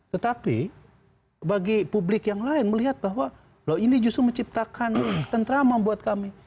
tetapi bagi publik yang lain melihat bahwa loh ini justru menciptakan tentrama buat kami